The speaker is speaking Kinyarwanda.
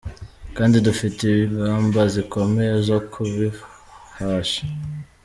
kandi dufite ingamba zikomeye zo kubihasha.